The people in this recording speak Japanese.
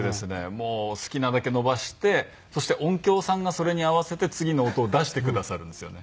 もう好きなだけ伸ばしてそして音響さんがそれに合わせて次の音を出してくださるんですよね。